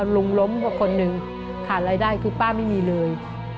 ลุงล้มกับคนหนึ่งห่านรายได้คือป้ามิมีเลย